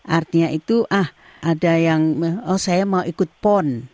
artinya itu ada yang saya mau ikut pon